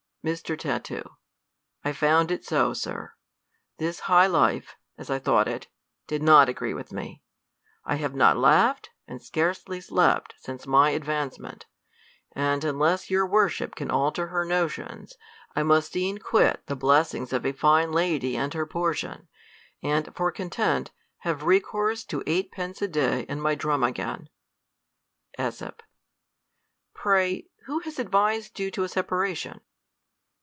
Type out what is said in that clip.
Mr. Tat. I found it so. Sir. This high life (as I thought it) did not agree with me ; I have not laugh'd, and scarcely slept, since my advancement ; and unless your worship can alter her notions, I must e'en quit the blessings of a fine lady and her portion, and, for con tent, have recourse to eight pence a day and my drum again. .>^s. Pray, who has advised you to a separation